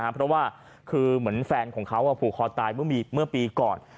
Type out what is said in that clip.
เพราะว่าคือเหมือนแฟนของเขาผูกคอตายเมื่อปีก่อน